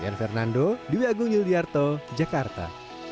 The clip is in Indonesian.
ian fernando dwi agung yuliarto jakarta